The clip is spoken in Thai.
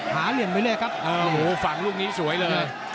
เหลี่ยมไปเลยครับโอ้โหฝั่งลูกนี้สวยเลย